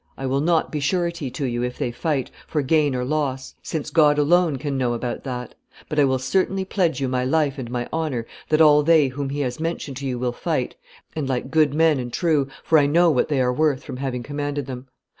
I will not be surety to you, if they fight, for gain or loss, since God alone can know about that; but I will certainly pledge you my life and my honor that all they whom he has mentioned to you will fight, and like good men and true, for I know what they are worth from having commanded them.